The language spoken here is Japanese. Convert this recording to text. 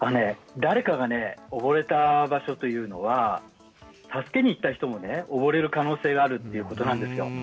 誰かが溺れた場所というのは助けに行った人も溺れる可能性があるということなんですよ。